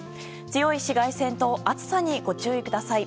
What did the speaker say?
強い紫外線と暑さにご注意ください。